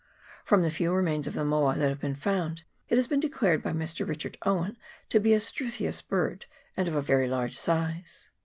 From the few remains of the moa that have been found, it has been declared by Mr. Richard Owen to be a struthious bird, and of very large size.